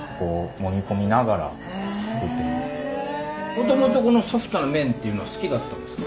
もともとこのソフトな麺っていうのは好きだったんですか？